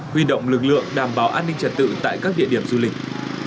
huy động lực lượng đảm bảo an ninh trật tự tại các địa điểm du lịch